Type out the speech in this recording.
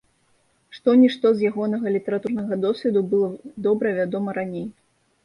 Што-нішто з ягонага літаратурнага досведу было добра вядома раней.